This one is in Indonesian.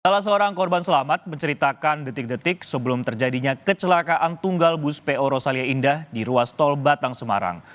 salah seorang korban selamat menceritakan detik detik sebelum terjadinya kecelakaan tunggal bus po rosalia indah di ruas tol batang semarang